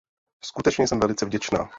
Skutečně jsem velice vděčná.